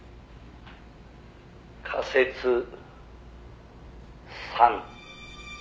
「仮説３」